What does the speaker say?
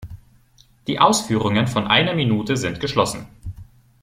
Die Ausführungen von einer Minute sind geschlossen.